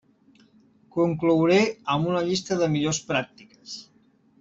Conclouré amb una llista de millors pràctiques.